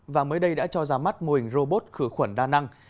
và mới đây đã cho ra mắt mô hình robot khử khuẩn đa năng